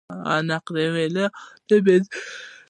عرق نعنا د معدې لپاره دی.